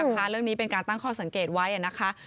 เรื่องนี้เป็นการตั้งข้อสังเกตไว้นะคะ